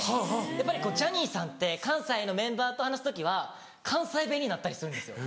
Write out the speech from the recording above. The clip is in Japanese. やっぱりジャニーさんって関西のメンバーと話す時は関西弁になったりするんですよ。